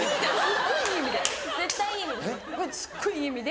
すっごいいい意味で。